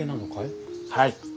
はい。